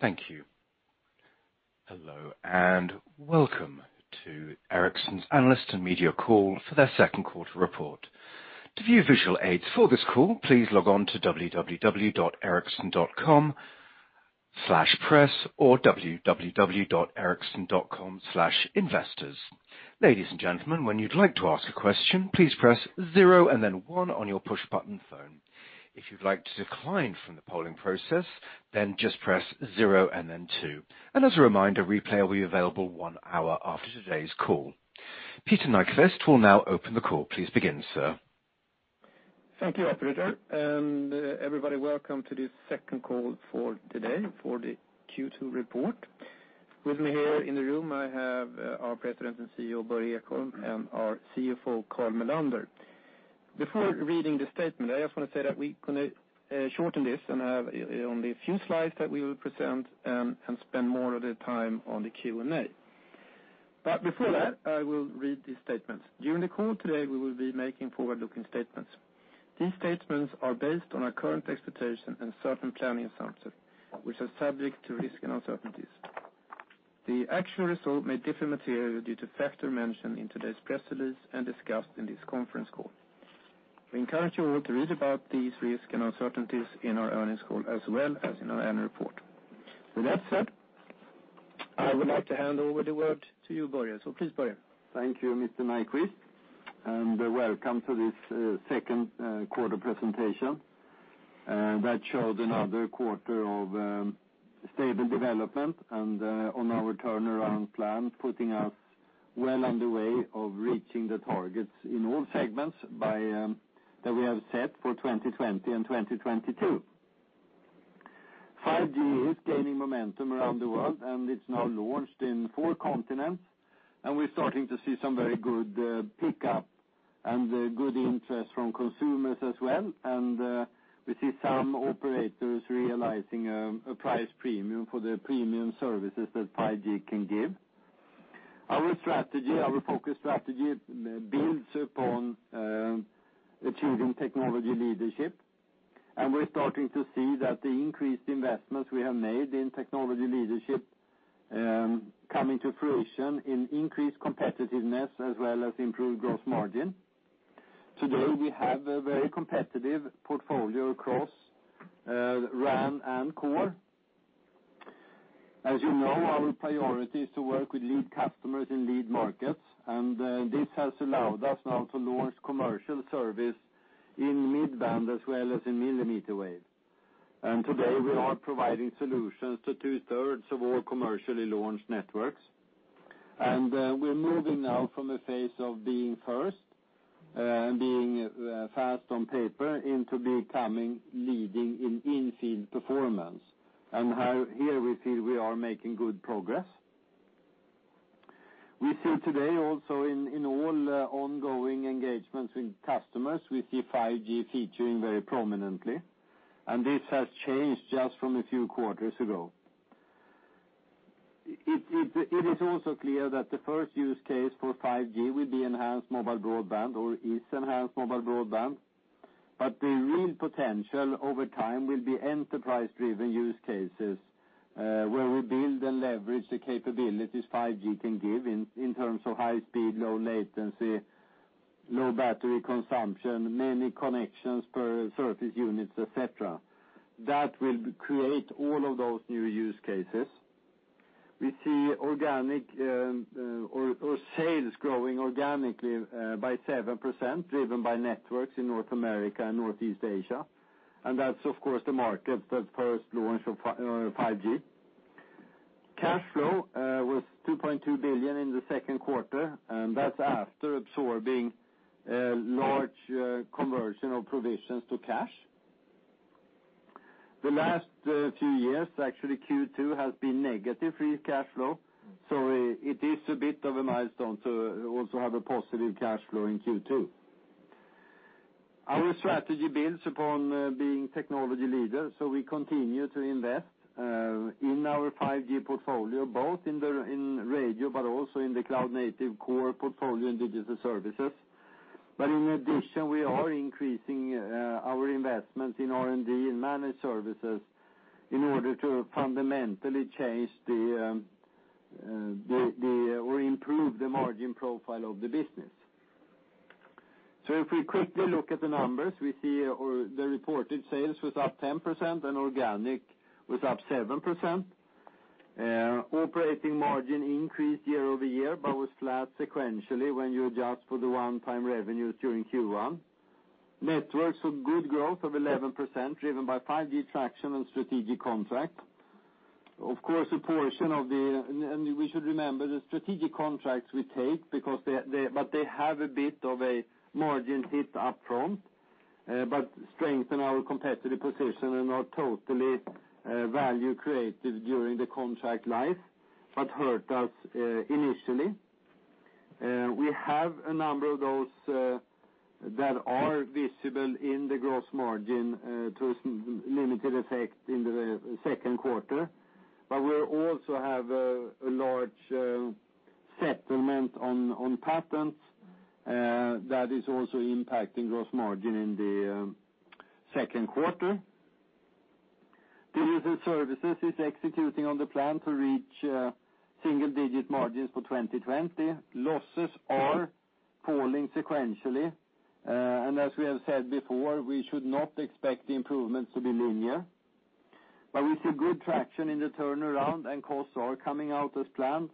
Thank you. Hello, welcome to Ericsson's Analyst and Media Call for their Second Quarter Report. To view visual aids for this call, please log on to www.ericsson.com/press or www.ericsson.com/investors. Ladies and gentlemen, when you'd like to ask a question, please press zero and then one on your push button phone. If you'd like to decline from the polling process, then just press zero and then two. As a reminder, replay will be available one hour after today's call. Peter Nyquist will now open the call. Please begin, sir. Thank you, operator. Everybody, welcome to the second call for today for the Q2 report. With me here in the room, I have our President and CEO, Börje Ekholm, and our CFO, Carl Mellander. Before reading the statement, I just want to say that we going to shorten this and have only a few slides that we will present, and spend more of the time on the Q&A. Before that, I will read the statement. During the call today, we will be making forward-looking statements. These statements are based on our current expectations and certain planning assumptions, which are subject to risk and uncertainties. The actual result may differ materially due to factors mentioned in today's press release and discussed in this conference call. We encourage you all to read about these risks and uncertainties in our earnings call, as well as in our annual report. With that said, I would like to hand over the word to you, Börje. Please, Börje. Thank you, Mr. Nyquist, and welcome to this second quarter presentation that showed another quarter of stable development and on our turnaround plan, putting us well on the way of reaching the targets in all segments that we have set for 2020 and 2022. 5G is gaining momentum around the world, and it's now launched in four continents. We're starting to see some very good pickup and good interest from consumers as well. We see some operators realizing a price premium for the premium services that 5G can give. Our focus strategy builds upon achieving technology leadership, and we're starting to see that the increased investments we have made in technology leadership come into fruition in increased competitiveness as well as improved gross margin. Today, we have a very competitive portfolio across RAN and Core. As you know, our priority is to work with lead customers in lead markets, and this has allowed us now to launch commercial service in mid-band as well as in millimeter wave. Today we are providing solutions to two-thirds of all commercially launched networks. We are moving now from a phase of being first, being fast on paper, into becoming leading in in-field performance. Here we feel we are making good progress. We see today also in all ongoing engagements with customers, we see 5G featuring very prominently, this has changed just from a few quarters ago. It is also clear that the first use case for 5G will be enhanced mobile broadband or is enhanced mobile broadband. The real potential over time will be enterprise-driven use cases, where we build and leverage the capabilities 5G can give in terms of high speed, low latency, low battery consumption, many connections per surface units, et cetera. That will create all of those new use cases. We see sales growing organically by 7%, driven by networks in North America and Northeast Asia, That is, of course, the market that first launched 5G. Cash flow was 2.2 billion in the second quarter, and that is after absorbing large conversion of provisions to cash. The last few years, actually Q2 has been negative Free Cash Flow, It is a bit of a milestone to also have a positive cash flow in Q2. Our strategy builds upon being technology leaders, so we continue to invest in our 5G portfolio, both in radio, but also in the cloud-native Core portfolio and Digital Services. In addition, we are increasing our investments in R&D, in Managed Services in order to fundamentally change or improve the margin profile of the business. If we quickly look at the numbers, we see the reported sales was up 10% and organic was up 7%. Operating margin increased year-over-year, but was flat sequentially when you adjust for the one-time revenues during Q1. Networks saw good growth of 11%, driven by 5G traction and strategic contracts. Of course, we should remember the strategic contracts we take, because they have a bit of a margin hit up front, but strengthen our competitive position and are totally value creative during the contract life, but hurt us initially. We have a number of those that are visible in the gross margin to limited effect in the second quarter but we also have a large settlement on patents. That is also impacting gross margin in the second quarter. Digital Services is executing on the plan to reach single-digit margins for 2020. Losses are falling sequentially, and as we have said before, we should not expect the improvements to be linear. We see good traction in the turnaround and costs are coming out as planned.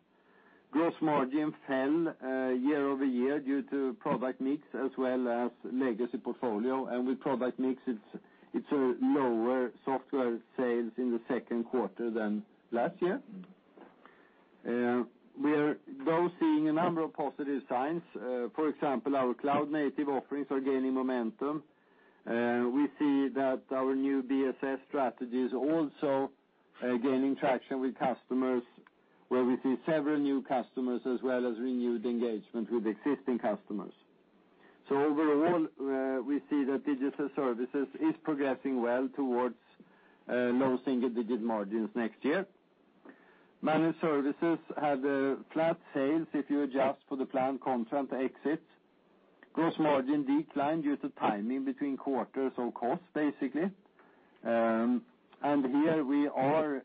Gross margin fell year-over-year due to product mix as well as legacy portfolio, and with product mix, it is a lower software sales in the second quarter than last year. We are both seeing a number of positive signs. For example, our cloud-native offerings are gaining momentum. We see that our new BSS strategy is also gaining traction with customers, where we see several new customers, as well as renewed engagement with existing customers. Overall, we see that Digital Services is progressing well towards low single-digit margins next year. Managed Services had flat sales if you adjust for the planned Constellix exit. Gross margin declined due to timing between quarters of cost, basically. Here we are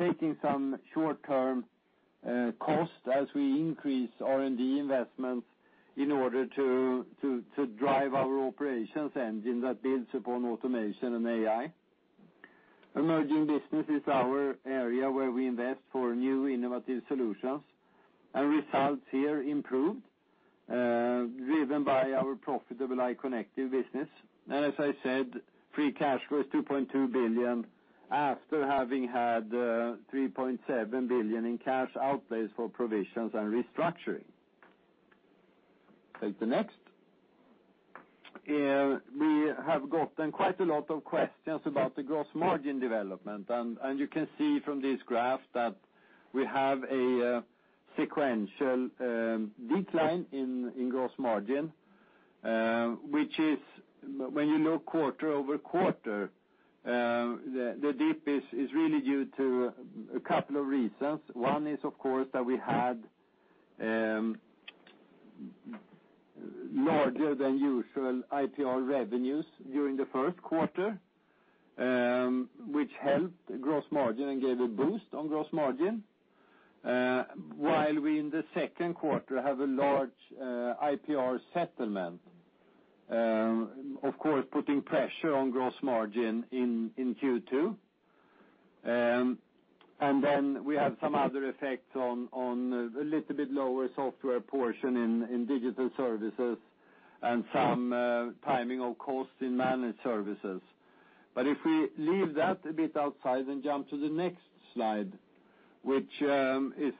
taking some short-term cost as we increase R&D investment in order to drive our operations engine that builds upon automation and AI. Emerging Business is our area where we invest for new innovative solutions, and results here improved, driven by our profitable IoT connected business. As I said, Free Cash Flow is 2.2 billion after having had 3.7 billion in cash outlays for provisions and restructuring. Take the next. We have gotten quite a lot of questions about the gross margin development. You can see from this graph that we have a sequential decline in gross margin which is, when you look quarter-over-quarter, the deepest is really due to a couple of reasons. One is, of course, that we had larger than usual IPR revenues during the first quarter which helped gross margin and gave a boost on gross margin. While we in the second quarter have a large IPR settlement, of course, putting pressure on gross margin in Q2. We have some other effects on a little bit lower software portion in Digital Services and some timing of cost in Managed Services. If we leave that a bit outside and jump to the next slide, which is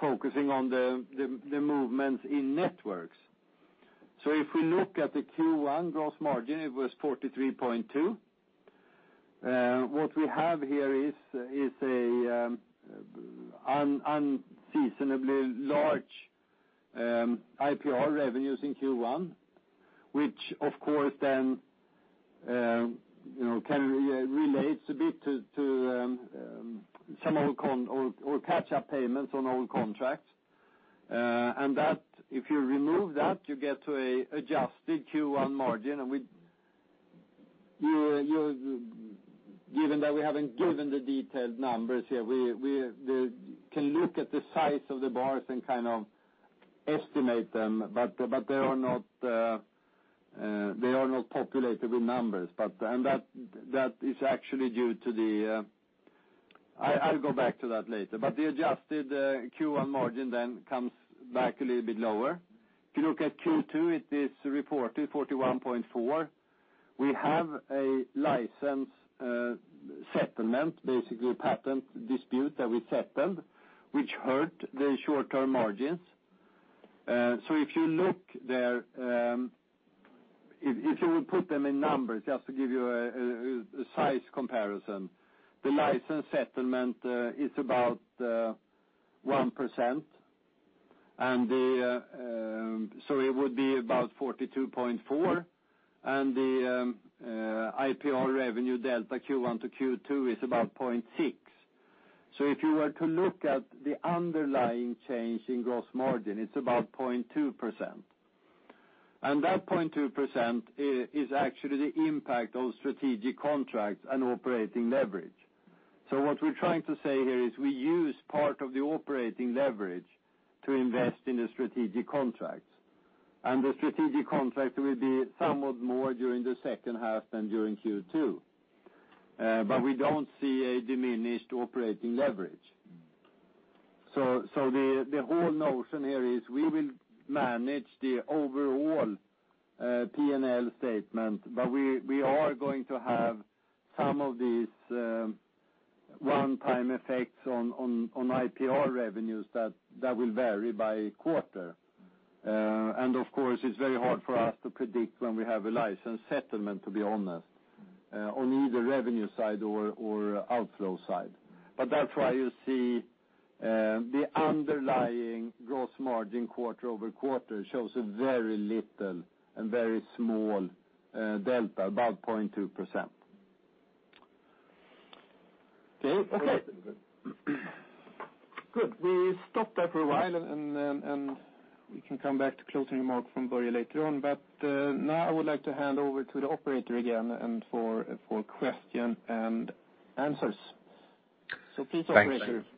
focusing on the movements in Networks. If we look at the Q1 gross margin, it was 43.2%. What we have here is an unseasonably large IPR revenues in Q1, which, of course, then can relate a bit to some old con or catch-up payments on old contracts. If you remove that, you get to an adjusted Q1 margin, and given that we haven't given the detailed numbers here, we can look at the size of the bars and kind of estimate them but they are not populated with numbers. I'll go back to that later. The Adjusted Q1 margin then comes back a little bit lower. If you look at Q2, it is reported 41.4%. We have a license settlement, basically a patent dispute that we settled which hurt the short-term margins. If you look there, if you will put them in numbers, just to give you a size comparison, the license settlement is about 1%. It would be about 42.4%, and the IPR revenue delta Q1 to Q2 is about 0.6%. If you were to look at the underlying change in gross margin, it's about 0.2%. That 0.2% is actually the impact of strategic contracts and operating leverage. What we're trying to say here is we use part of the operating leverage to invest in the strategic contracts, and the strategic contracts will be somewhat more during the second half than during Q2. We don't see a diminished operating leverage. The whole notion here is we will manage the overall P&L statement but we are going to have some of these one-time effects on IPR revenues that will vary by quarter. Of course, it's very hard for us to predict when we have a license settlement to be honest, on either revenue side or outflow side. That's why you see the underlying gross margin quarter-over-quarter shows a very little and very small delta, about 0.2%. Okay. Good. We stop there for a while, and we can come back to closing remarks from Börje later on. Now I would like to hand over to the operator again and for question and answers. Please, operator. Thanks.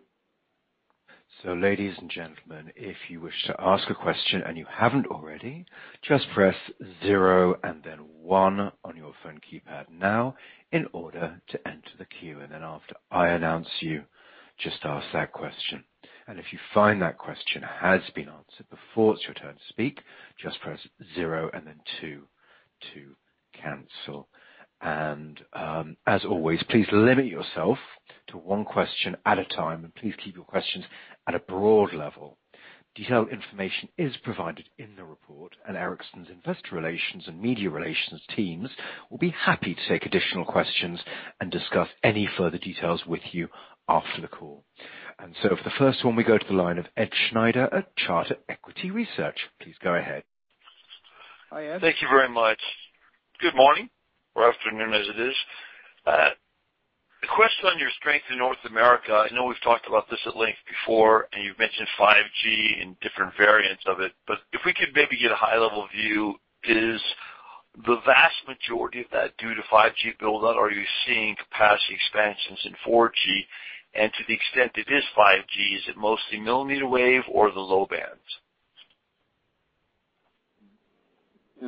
Ladies and gentlemen, if you wish to ask a question and you haven't already, just press zero and then one on your phone keypad now in order to enter the queue. Then after I announce you, just ask that question. If you find that question has been answered before it's your turn to speak, just press zero and then two to cancel. As always, please limit yourself to one question at a time, and please keep your questions at a broad level. Detailed information is provided in the report, and Ericsson's investor relations and media relations teams will be happy to take additional questions and discuss any further details with you after the call. For the first one, we go to the line of Ed Snyder at Charter Equity Research. Please go ahead. Hi, Ed. Thank you very much. Good morning, or afternoon as it is. A question on your strength in North America. I know we've talked about this at length before, and you've mentioned 5G and different variants of it. If we could maybe get a high-level view, is the vast majority of that due to 5G build-out? Are you seeing capacity expansions in 4G? To the extent it is 5G, is it mostly millimeter wave or the low bands?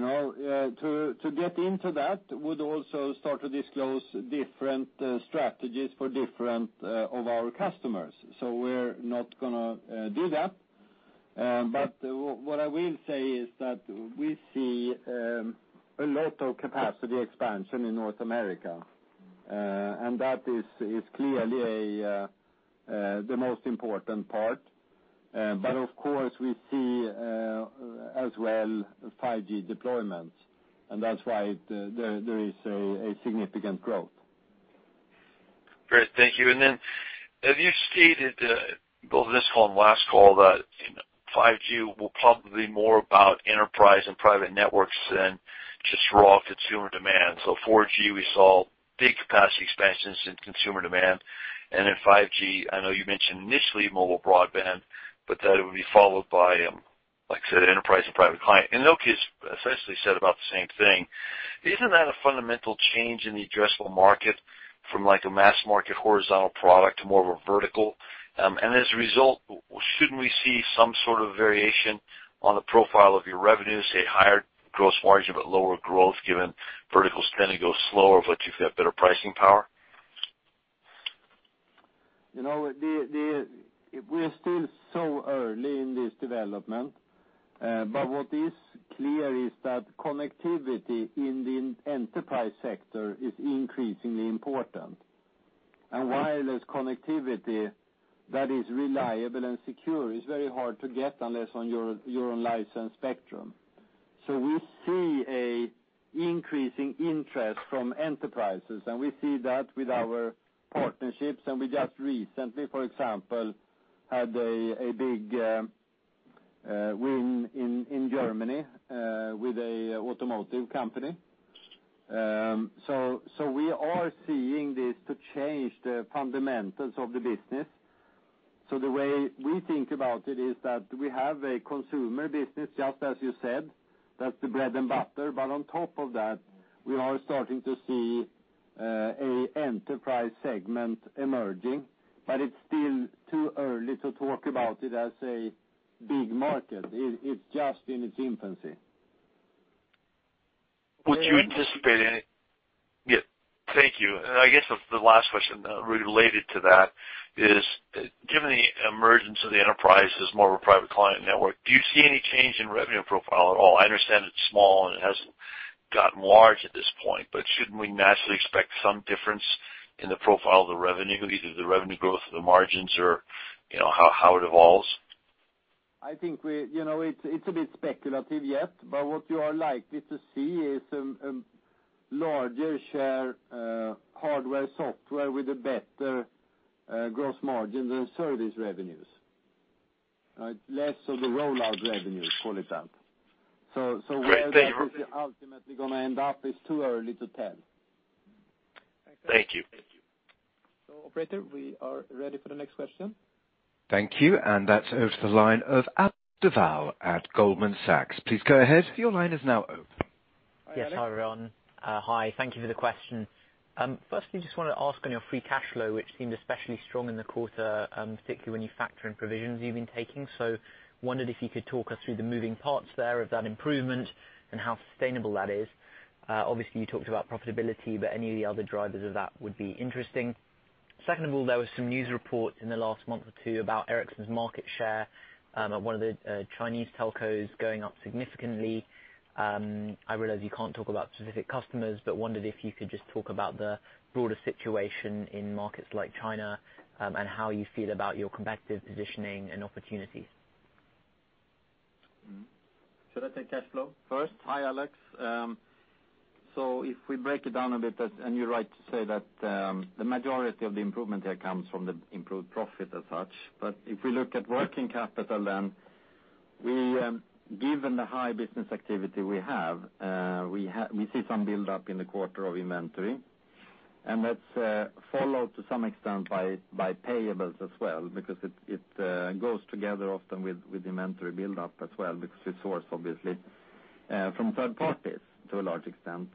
To get into that would also start to disclose different strategies for different of our customers. We're not going to do that. What I will say is that we see a lot of capacity expansion in North America. That is clearly the most important part. Of course, we see as well 5G deployments and that's why there is a significant growth. Great. Thank you. Then as you stated, both this call and last call, that 5G will probably be more about enterprise and private networks than just raw consumer demand. 4G, we saw big capacity expansions in consumer demand, then 5G, I know you mentioned initially mobile broadband but that it would be followed by, like I said, enterprise and private client. Nokia's essentially said about the same thing. Isn't that a fundamental change in the addressable market from like a mass market horizontal product to more of a vertical? As a result, shouldn't we see some sort of variation on the profile of your revenue, say higher gross margin but lower growth given vertical's going to go slower, but you've got better pricing power? We're still so early in this development. What is clear is that connectivity in the enterprise sector is increasingly important. Wireless connectivity that is reliable and secure is very hard to get unless on your own licensed spectrum. We see a increasing interest from enterprises, we see that with our partnerships, we just recently for example, had a big win in Germany, with a automotive company. We are seeing this to change the fundamentals of the business. The way we think about it is that we have a consumer business, just as you said. That's the bread and butter. On top of that, we are starting to see a enterprise segment emerging but it's still too early to talk about it as a big market. It's just in its infancy. Would you anticipate any? Yeah. Thank you. I guess the last question related to that is, given the emergence of the enterprise as more of a private client network, do you see any change in revenue profile at all? I understand it's small, it hasn't gotten large at this point, shouldn't we naturally expect some difference in the profile of the revenue, either the revenue growth or the margins or how it evolves? I think it's a bit speculative yet but what you are likely to see is larger share hardware, software with a better gross margin than service revenues. Less of the rollout revenue, call it that. Where that is ultimately going to end up is too early to tell. Thank you. Operator, we are ready for the next question. Thank you. That's over to the line of Alex Duval at Goldman Sachs. Please go ahead, your line is now open. Hi, Alex. Yes. Hi, everyone. Hi. Thank you for the question. Firstly, just wanted to ask on your Free Cash Flow, which seemed especially strong in the quarter, particularly when you factor in provisions you've been taking. Wondered if you could talk us through the moving parts there of that improvement and how sustainable that is. Obviously, you talked about profitability but any of the other drivers of that would be interesting. Second of all, there were some news reports in the last month or two about Ericsson's market share, one of the Chinese telcos going up significantly. I realize you can't talk about specific customers but wondered if you could just talk about the broader situation in markets like China, and how you feel about your competitive positioning and opportunities. Should I take cash flow first? Hi, Alex. If we break it down a bit, you're right to say that the majority of the improvement here comes from the improved profit as such. If we look at working capital then, given the high business activity we have, we see some build up in the quarter of inventory, and that's followed to some extent by payables as well because it goes together often with inventory build up as well, because it's sourced obviously from third parties to a large extent.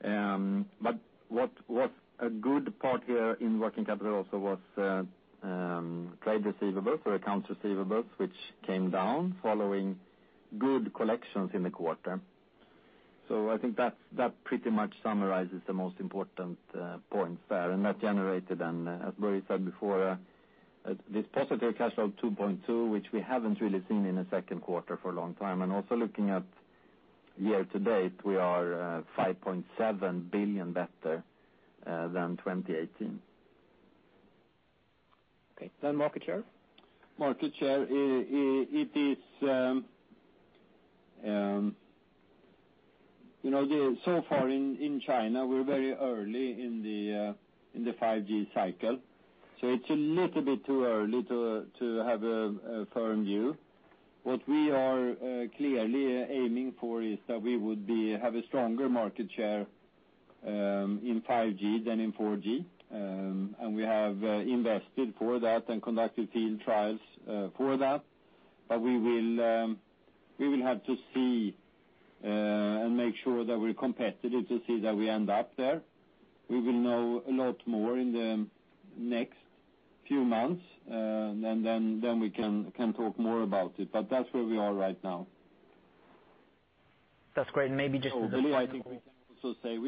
What's a good part here in working capital also was trade receivables or accounts receivables which came down following good collections in the quarter. I think that pretty much summarizes the most important points there, that generated and as Börje said before, this positive cash flow of 2.2, which we haven't really seen in a second quarter for a long time. Also looking at year to date, we are 5.7 billion better than 2018. Okay, market share? Market share. So far in China, we're very early in the 5G cycle, so it's a little bit too early to have a firm view. What we are clearly aiming for is that we would have a stronger market share in 5G than in 4G. We have invested for that and conducted field trials for that. We will have to see and make sure that we're competitive to see that we end up there. We will know a lot more in the next few months and then we can talk more about it. That's where we are right now. That's great. I think we can also say,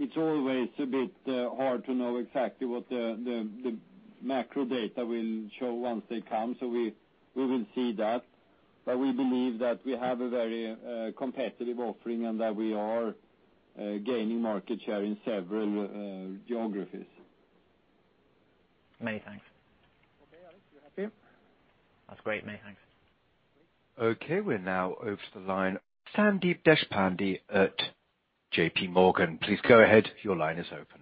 it's always a bit hard to know exactly what the macro data will show once they come, so we will see that. We believe that we have a very competitive offering and that we are gaining market share in several geographies. Many thanks. Okay, Alex, you happy? That's great. Many thanks. Okay, we're now over to the line, Sandeep Deshpande at JPMorgan. Please go ahead. Your line is open.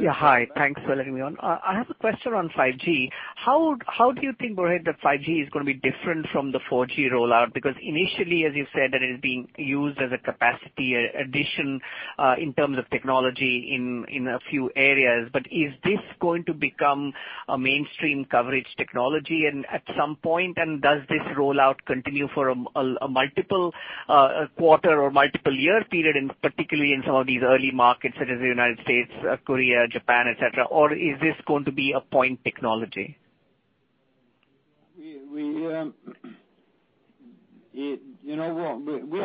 Yeah. Hi. Thanks for letting me on. I have a question on 5G. How do you think, Börje, that 5G is going to be different from the 4G rollout? Initially, as you said, that it is being used as a capacity addition, in terms of technology in a few areas. Is this going to become a mainstream coverage technology at some point? Does this rollout continue for a multiple quarter or multiple year period, and particularly in some of these early markets such as the United States, Korea, Japan, et cetera? Is this going to be a point technology? We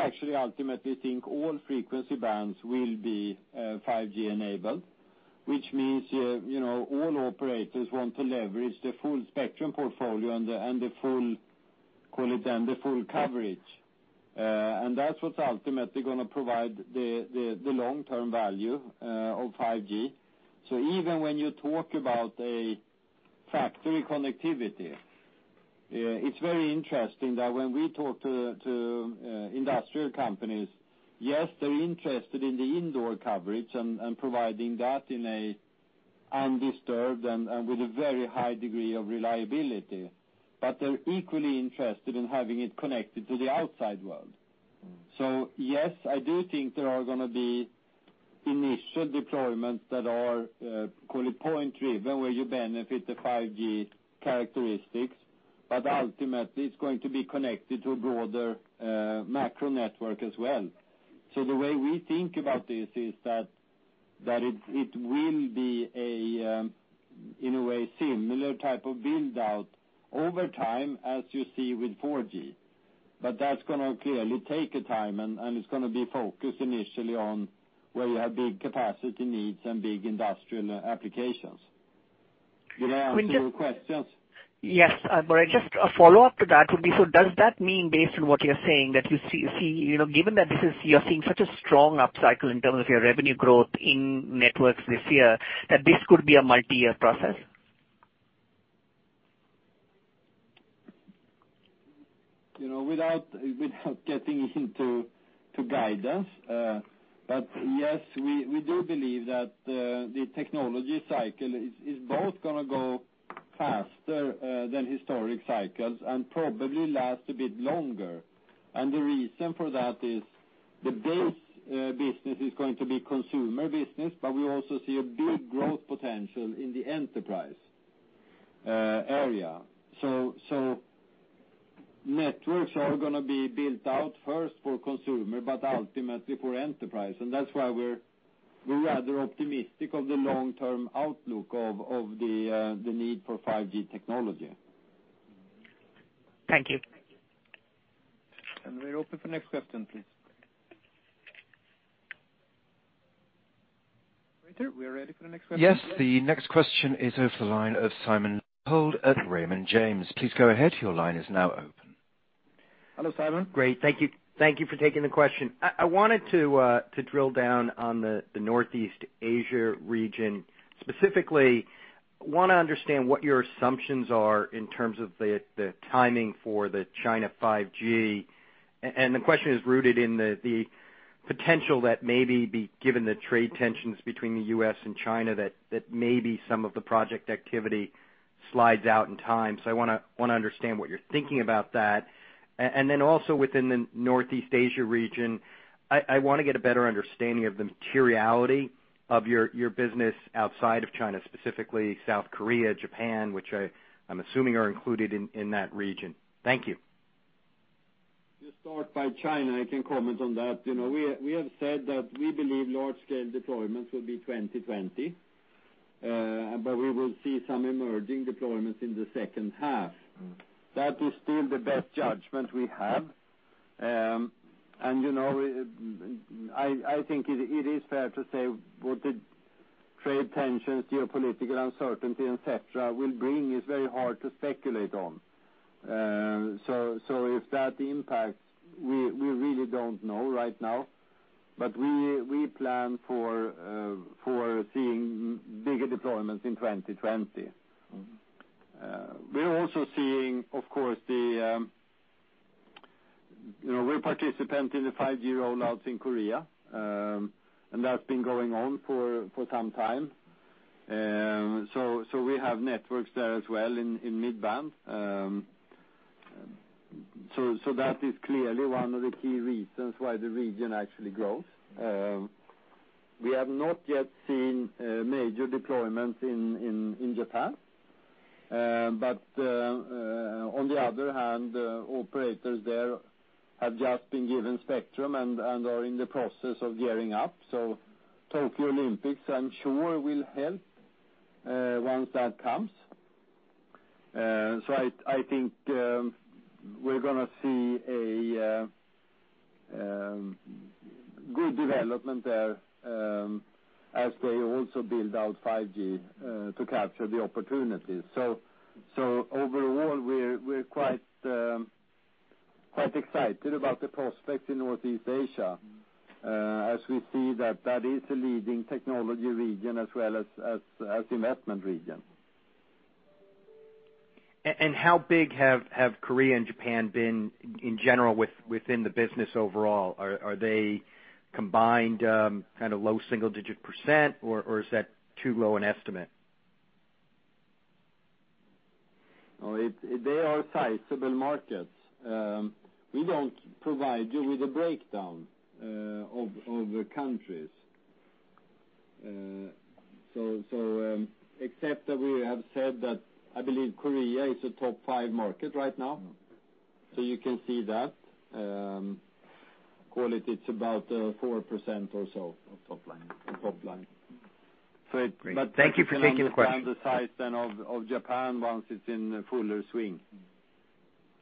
actually ultimately think all frequency bands will be 5G enabled, which means all operators want to leverage the full spectrum portfolio and the full coverage. That's what's ultimately going to provide the long-term value of 5G. Even when you talk about a factory connectivity, it's very interesting that when we talk to industrial companies, yes, they're interested in the indoor coverage and providing that in an undisturbed and with a very high degree of reliability. They're equally interested in having it connected to the outside world. Yes, I do think there are going to be initial deployments that are point driven, where you benefit the 5G characteristics but ultimately it's going to be connected to a broader macro network as well. The way we think about this is that it will be a, in a way, similar type of build-out over time as you see with 4G. That's going to clearly take a time, and it's going to be focused initially on where you have big capacity needs and big industrial applications. Did I answer your questions? Yes. Börje, just a follow-up to that would be, does that mean, based on what you're saying, that you see, given that you're seeing such a strong up cycle in terms of your revenue growth in Networks this year, that this could be a multi-year process? Yes, we do believe that the technology cycle is both going to go faster than historic cycles and probably last a bit longer. The reason for that is the base business is going to be consumer business, but we also see a big growth potential in the enterprise area. Networks are going to be built out first for consumer but ultimately for enterprise. That's why we're rather optimistic of the long-term outlook of the need for 5G technology. Thank you. We're open for next question, please. Operator, we're ready for the next question. Yes. The next question is over the line of Simon Leopold at Raymond James. Please go ahead. Your line is now open. Hello, Simon. Great. Thank you for taking the question. I wanted to drill down on the Northeast Asia region. Specifically, want to understand what your assumptions are in terms of the timing for the China 5G. The question is rooted in the potential that maybe given the trade tensions between the U.S. and China, that maybe some of the project activity slides out in time. I want to understand what you're thinking about that. Then also within the Northeast Asia region, I want to get a better understanding of the materiality of your business outside of China, specifically South Korea, Japan, which I'm assuming are included in that region. Thank you. I'll start by China, I can comment on that. We have said that we believe large scale deployments will be 2020. We will see some emerging deployments in the second half. That is still the best judgment we have. I think it is fair to say what the trade tensions, geopolitical uncertainty, et cetera, will bring is very hard to speculate on. If that impacts, we really don't know right now. We plan for seeing bigger deployments in 2020. We're also seeing, of course, we're a participant in the 5G roll-outs in Korea, and that's been going on for some time. We have networks there as well in mid-band. That is clearly one of the key reasons why the region actually grows. We have not yet seen major deployments in Japan. On the other hand, operators there have just been given spectrum and are in the process of gearing up. Tokyo Olympics, I'm sure will help, once that comes. I think we're going to see a good development there, as they also build out 5G to capture the opportunities. Overall, we're quite excited about the prospects in Northeast Asia, as we see that that is a leading technology region as well as investment region. How big have Korea and Japan been in general within the business overall? Are they combined low single-digit percent, or is that too low an estimate? They are sizable markets. We don't provide you with a breakdown of the countries. Except that we have said that, I believe Korea is a top five market right now. You can see that. Quality, it's about 4% or so of top line. Great. Thank you for taking the question. That can expand the size then of Japan once it's in fuller swing.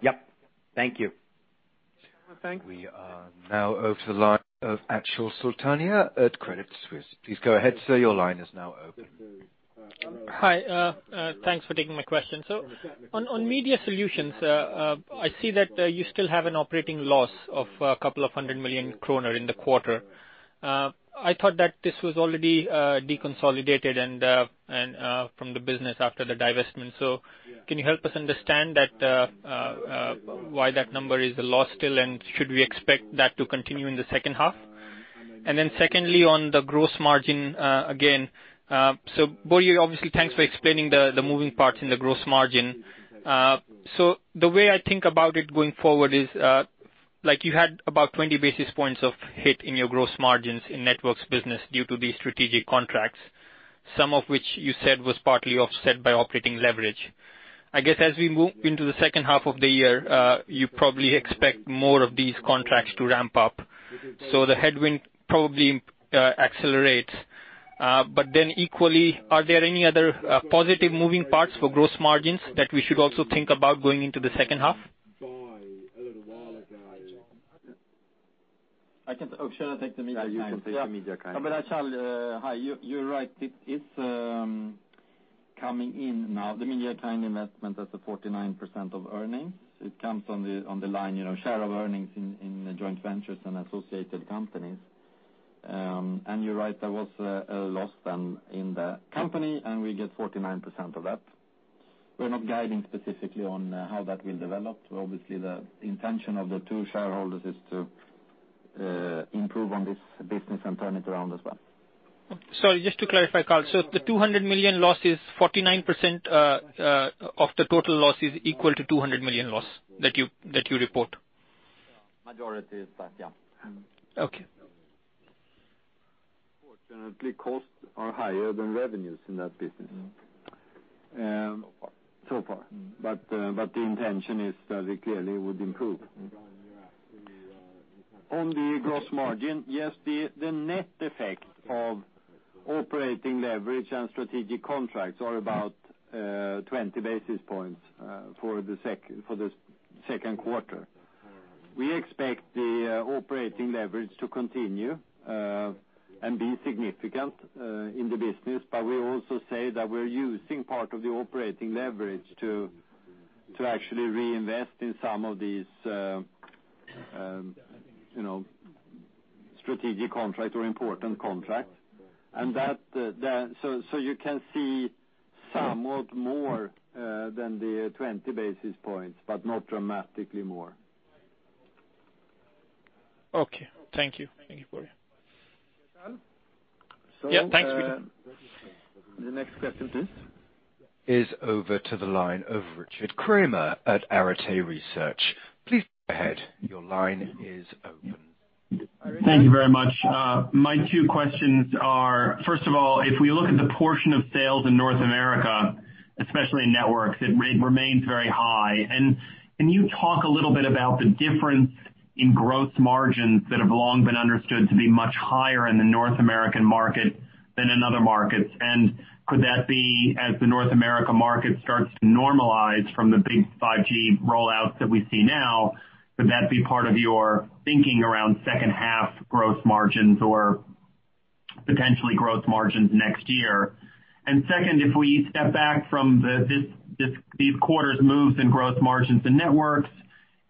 Yep. Thank you. Thank you. We are now over to the line of Achal Sultania at Credit Suisse. Please go ahead, sir, your line is now open. Hi. Thanks for taking my question. On media solutions, I see that you still have an operating loss of 200 million kronor in the quarter. I thought that this was already deconsolidated, from the business after the divestment. Can you help us understand why that number is a loss still, and should we expect that to continue in the second half? Secondly, on the gross margin, again. Börje, obviously, thanks for explaining the moving parts in the gross margin. The way I think about it going forward is, you had about 20 basis points of hit in your gross margins in Networks business due to these strategic contracts, some of which you said was partly offset by operating leverage. I guess as we move into the second half of the year, you probably expect more of these contracts to ramp up. The headwind probably accelerates. Equally, are there any other positive moving parts for gross margins that we should also think about going into the second half? Should I take the MediaKind? Yeah, you can take the MediaKind. Achal, hi. You're right. It's coming in now. The MediaKind investment is at 49% of earnings. It comes on the line, share of earnings in joint ventures and associated companies. You're right, there was a loss then in the company, and we get 49% of that. We're not guiding specifically on how that will develop. Obviously, the intention of the two shareholders is to improve on this business and turn it around as well. Sorry, just to clarify, Carl. The 200 million loss is 49% of the total loss is equal to 200 million loss that you report? Majority of that, yeah. Okay. Unfortunately, costs are higher than revenues in that business so far but the intention is that it clearly would improve. On the gross margin. Yes, the net effect of operating leverage and strategic contracts are about 20 basis points for the second quarter. We expect the operating leverage to continue and be significant in the business, but we also say that we're using part of the operating leverage to actually reinvest in some of these strategic contracts or important contracts. So you can see somewhat more than the 20 basis points, but not dramatically more. Okay. Thank you. Thank you, Börje. Yeah. Thanks. The next question, please. Is over to the line of Richard Kramer at Arete Research. Please go ahead. Your line is open. Thank you very much. My two questions are, first of all, if we look at the portion of sales in North America, especially in Networks, it remains very high. Can you talk a little bit about the difference in gross margins that have long been understood to be much higher in the North American market than in other markets? Could that be as the North America market starts to normalize from the big 5G rollouts that we see now, could that be part of your thinking around second half gross margins or potentially gross margins next year? Second, if we step back from these quarter's moves in gross margins and Networks,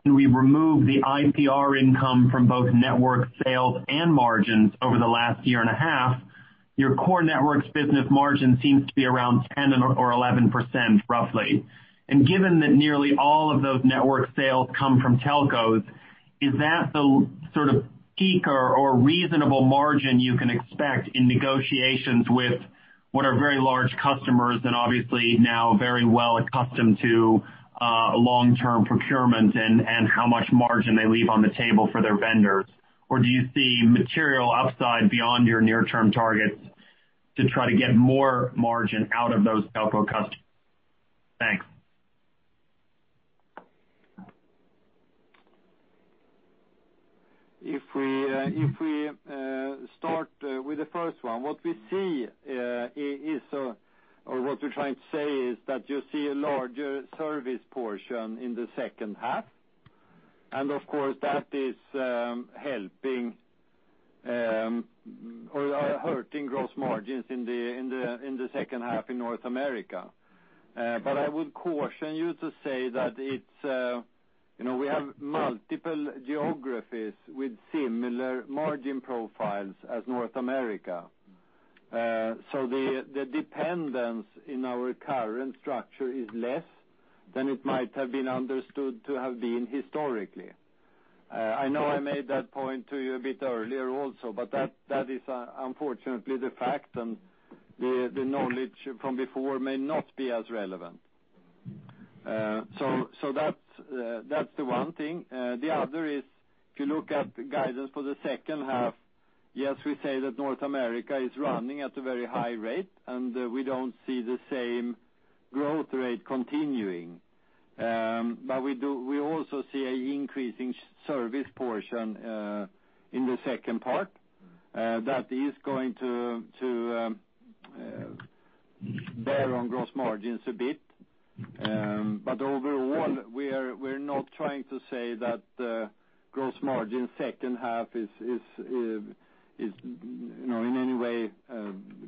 and we remove the IPR income from both Network sales and margins over the last year and a half, your Core Networks business margin seems to be around 10 or 11%, roughly. Given that nearly all of those network sales come from telcos, is that the sort of peak or reasonable margin you can expect in negotiations with what are very large customers and obviously now very well accustomed to long-term procurement and how much margin they leave on the table for their vendors or do you see material upside beyond your near-term targets to try to get more margin out of those telco customers? Thanks. If we start with the first one, what we see, what we're trying to say is that you see a larger service portion in the second half. Of course that is helping, or hurting gross margins in the second half in North America. I would caution you to say that we have multiple geographies with similar margin profiles as North America. The dependence in our current structure is less than it might have been understood to have been historically. I know I made that point to you a bit earlier also but that is unfortunately the fact, the knowledge from before may not be as relevant. That's the one thing. The other is, if you look at guidance for the second half, yes, we say that North America is running at a very high rate, and we don't see the same growth rate continuing. We also see an increasing service portion in the second part. That is going to bear on gross margins a bit. Overall, we're not trying to say that gross margin second half is in any way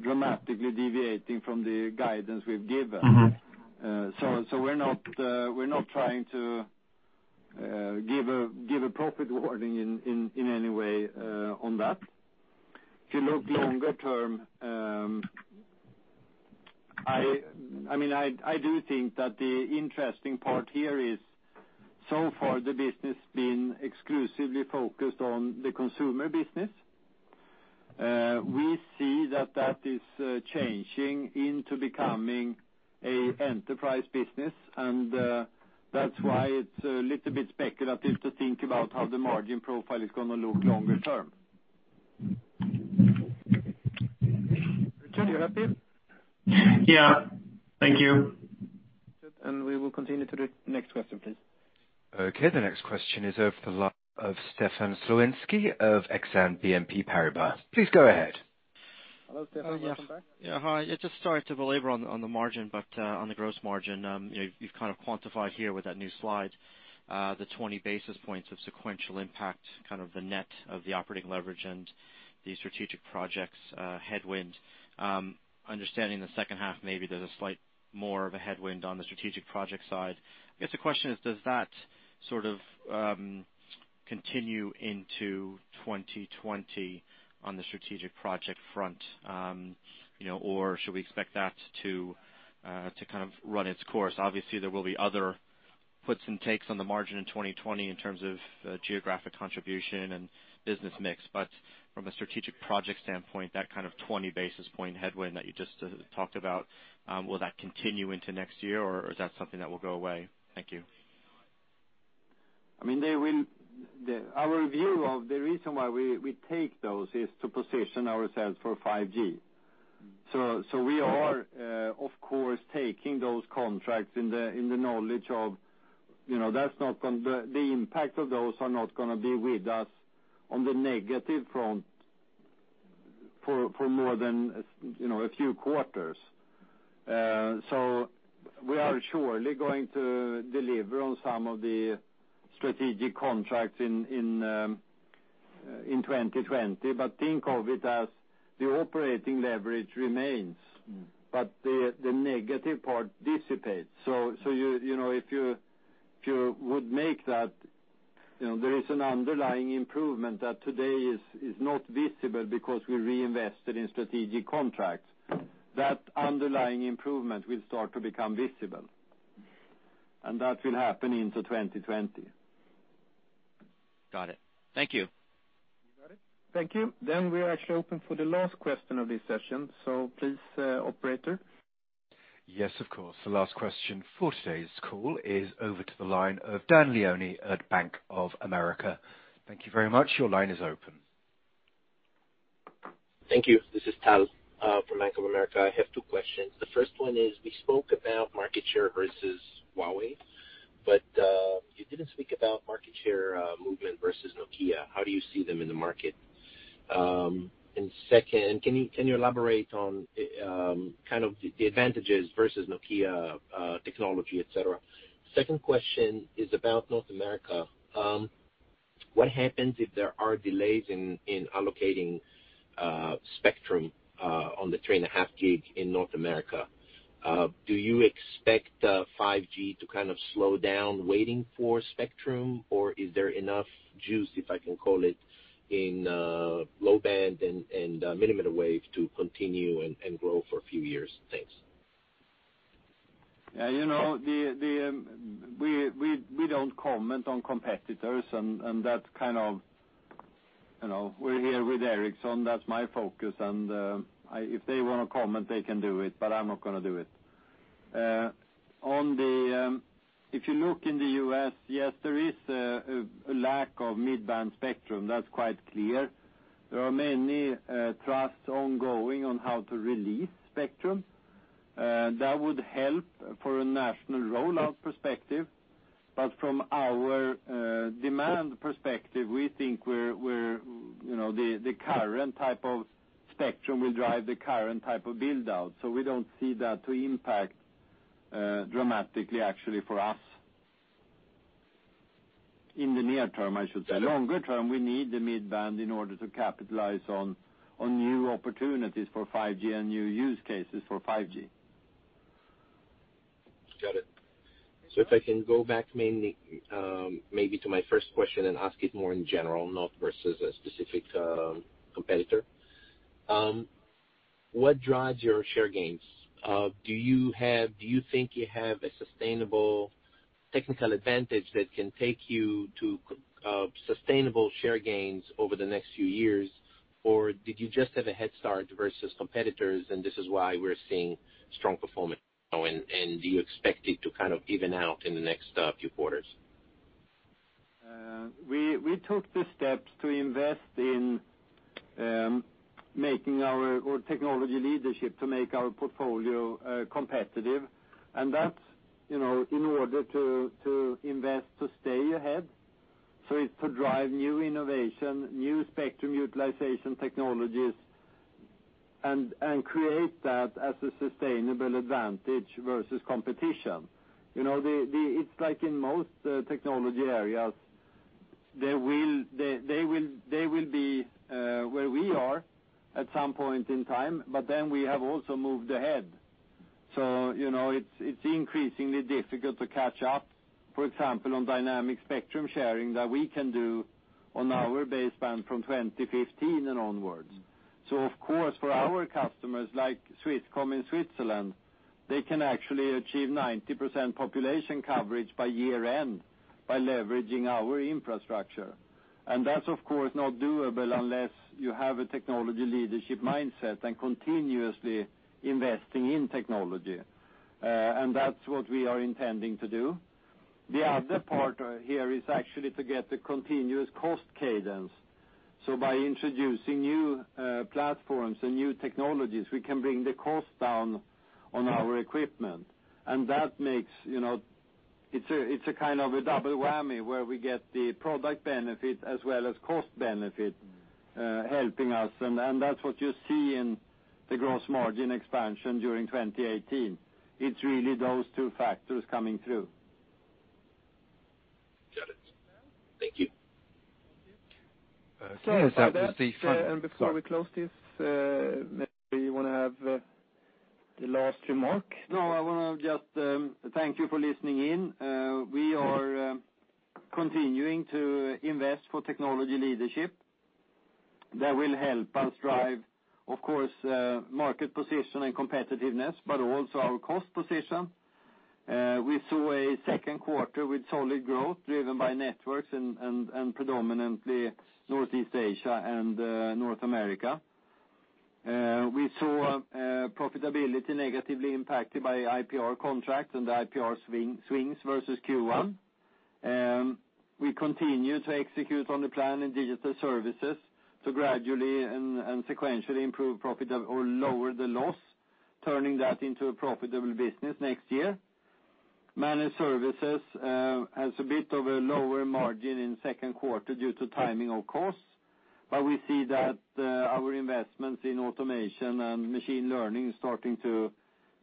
dramatically deviating from the guidance we've given. We're not trying to give a profit warning in any way on that. If you look longer term, I do think that the interesting part here is so far the business been exclusively focused on the consumer business. We see that that is changing into becoming an enterprise business, that's why it's a little bit speculative to think about how the margin profile is going to look longer term. Are you happy? Yeah. Thank you. We will continue to the next question, please. Okay, the next question is over the line of Stefan Slowinski of Exane BNP Paribas. Please go ahead. Hello, Stefan. Welcome back. Hi. Sorry to belabor on the margin, on the gross margin, you've kind of quantified here with that new slide the 20 basis points of sequential impact, kind of the net of the operating leverage and the strategic projects headwind. Understanding the second half, maybe there's a slight more of a headwind on the strategic project side. I guess the question is, does that sort of continue into 2020 on the strategic project front or should we expect that to kind of run its course? Obviously, there will be other puts and takes on the margin in 2020 in terms of geographic contribution and business mix. From a strategic project standpoint, that kind of 20 basis point headwind that you just talked about, and will that continue into next year, or is that something that will go away? Thank you. Our view of the reason why we take those is to position ourselves for 5G. We are, of course, taking those contracts in the knowledge of the impact of those are not going to be with us on the negative front for more than a few quarters. We are surely going to deliver on some of the strategic contracts in 2020. Think of it as the operating leverage remains, the negative part dissipates. If you would make that. There is an underlying improvement that today is not visible because we reinvested in strategic contracts. That underlying improvement will start to become visible, and that will happen into 2020. Got it. Thank you. You got it. Thank you. We're actually open for the last question of this session. Please, operator. Yes, of course. The last question for today's call is over to the line of Tal Liani at Bank of America. Thank you very much. Your line is open. Thank you. This is Tal from Bank of America. I have two questions. The first one is, we spoke about market share versus Huawei, but you didn't speak about market share movement versus Nokia. How do you see them in the market? Second, can you elaborate on the advantages versus Nokia technology, et cetera? Second question is about North America. What happens if there are delays in allocating spectrum on the 3.5 GHz in North America? Do you expect 5G to slow down waiting for spectrum, or is there enough juice, if I can call it, in low band and millimeter wave to continue and grow for a few years? Thanks. We don't comment on competitors, and we're here with Ericsson, that's my focus, and if they want to comment, they can do it but I'm not going to do it. If you look in the U.S., yes, there is a lack of mid-band spectrum. That's quite clear. There are many trusts ongoing on how to release spectrum. That would help for a national rollout perspective. From our demand perspective, we think the current type of spectrum will drive the current type of build-out, so we don't see that to impact dramatically actually for us. In the near term, I should say. Longer term, we need the mid-band in order to capitalize on new opportunities for 5G and new use cases for 5G. Got it. If I can go back mainly to my first question and ask it more in general, not versus a specific competitor. What drives your share gains? Do you think you have a sustainable technical advantage that can take you to sustainable share gains over the next few years or did you just have a head start versus competitors and this is why we're seeing strong performance now, and do you expect it to even out in the next few quarters? We took the steps to invest in making our technology leadership to make our portfolio competitive. That's in order to invest to stay ahead. It's to drive new innovation, new spectrum utilization technologies, and create that as a sustainable advantage versus competition. It's like in most technology areas, they will be where we are at some point in time but then we have also moved ahead. It's increasingly difficult to catch up, for example, on dynamic spectrum sharing that we can do on our baseband from 2015 and onwards. Of course, for our customers like Swisscom in Switzerland, they can actually achieve 90% population coverage by year-end by leveraging our infrastructure. That's of course not doable unless you have a technology leadership mindset and continuously investing in technology. That's what we are intending to do. The other part here is actually to get the continuous cost cadence. By introducing new platforms and new technologies, we can bring the cost down on our equipment. It's a kind of a double whammy where we get the product benefit as well as cost benefit helping us, and that's what you see in the gross margin expansion during 2018. It's really those two factors coming through. Got it. Thank you. Thank you. With that. Before we close this, maybe you want to have the last remark? No, I want to just thank you for listening in. We are continuing to invest for technology leadership that will help us drive, of course, market position and competitiveness but also our cost position. We saw a second quarter with solid growth driven by Networks and predominantly Northeast Asia and North America. We saw profitability negatively impacted by IPR contracts and IPR swings versus Q1. We continue to execute on the plan in Digital Services to gradually and sequentially lower the loss, turning that into a profitable business next year. Managed Services has a bit of a lower margin in second quarter due to timing of costs, but we see that our investments in automation and machine learning starting to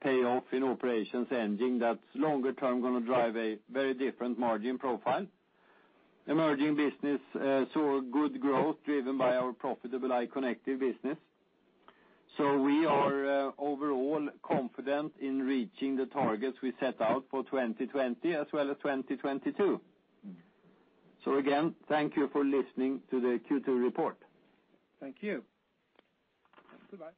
pay off in operations ending that's longer term going to drive a very different margin profile. Emerging Business saw good growth driven by our profitable IoT connected business. We are overall confident in reaching the targets we set out for 2020 as well as 2022. Again, thank you for listening to the Q2 report. Thank you. Goodbye.